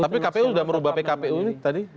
tapi kpu sudah merubah pkpu ini tadi